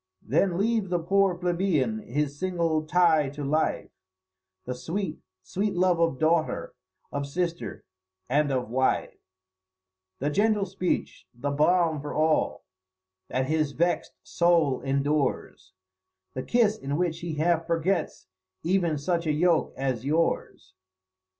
Then leave the poor plebeian his single tie to life The sweet, sweet love of daughter, of sister, and of wife, The gentle speech, the balm for all that his vext soul endures, The kiss in which he half forgets even such a yoke as yours.